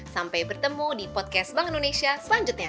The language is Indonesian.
sampai bertemu di podcast bank indonesia selanjutnya